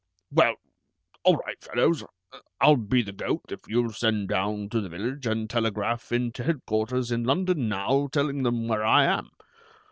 "Well, all right, fellows, I'll be the goat if you'll send down to the village and telegraph in to headquarters in London now, telling them where I am.